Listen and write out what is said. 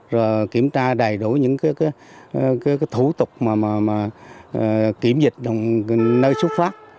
rồi kiểm tra đầy đủ những thủ tục kiểm dịch nơi xuất phát